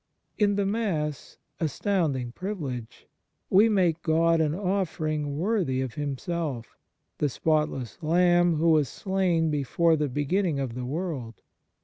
In the Mass astounding privi lege ! we make God an offering worthy of Himself: the spotless Lamb, who was slain before the beginning of the world.